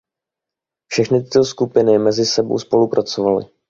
Všechny tyto skupiny mezi sebou spolupracovaly.